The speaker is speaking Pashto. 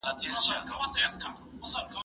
زه اجازه لرم چي کښېناستل وکړم؟